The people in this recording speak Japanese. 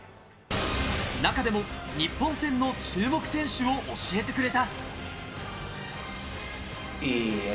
中でも日本戦の注目選手を教えてくれた。